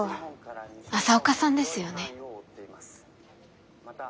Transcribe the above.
朝岡さんですよね。